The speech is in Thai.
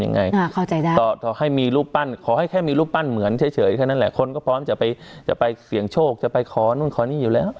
นั่นแหละคนก็พร้อมจะไปเสี่ยงโชคจะไปขอนู่นขอนี่อยู่แล้ว